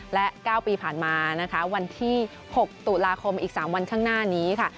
และ๙ปีผ่านมานะคะวันที่๖ตุลาคมอีก๓วันข้างหน้านี้ค่ะ